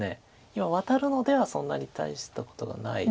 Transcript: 今ワタるのではそんなに大したことがない。